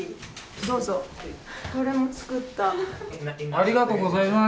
ありがとうございます。